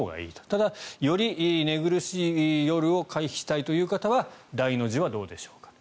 ただ、より寝苦しい夜を回避したいという方は大の字はどうでしょうか。